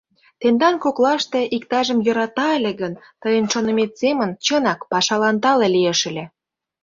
Тендан коклаште иктажым йӧрата ыле гын, тыйын шонымет семын, чынак, пашалан тале лиеш ыле...